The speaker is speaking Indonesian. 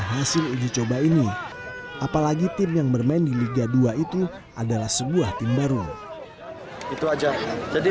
hasil uji coba ini apalagi tim yang bermain di liga dua itu adalah sebuah tim baru itu aja jadi